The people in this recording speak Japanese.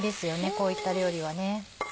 こういった料理はね。